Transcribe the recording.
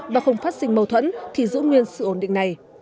và không phát sinh mâu thuẫn thì giữ nguyên sự ổn định này